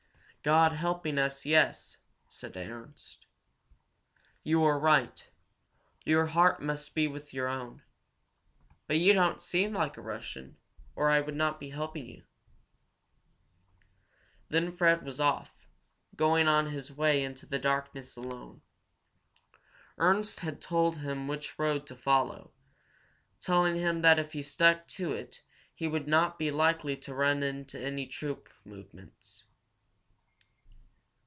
"God helping us, yes!" said Ernst. "You are right. Your heart must be with your own. But you don't seem like a Russian, or I would not be helping you." Then Fred was off, going on his way into the darkness alone. Ernst had told him which road to follow, telling him that if he stuck to it he would not be likely to run into any troop movements.